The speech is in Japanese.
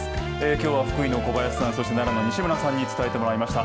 きょうは福井の小林さん、そして奈良の西村さんに伝えてもらいました。